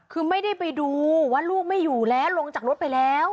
คือไม่ได้ไปดูว่าลูกไม่อยู่แล้วลงจากรถไปแล้ว